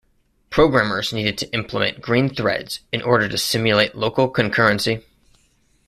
Programmers needed to implement green threads in order to simulate local concurrency.